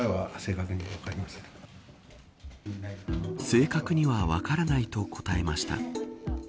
正確には分からないと答えました。